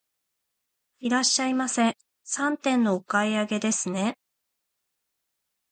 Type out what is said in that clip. いらっしゃいませ、三点のお買い上げですね。